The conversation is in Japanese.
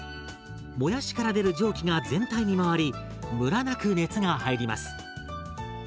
もやしから出る蒸気が全体に回りムラなく熱が入ります。